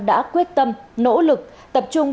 đã quyết tâm nỗ lực tập trung